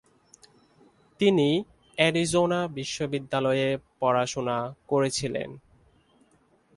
তিনি অ্যারিজোনা বিশ্ববিদ্যালয়ে পড়াশোনা করেছিলেন।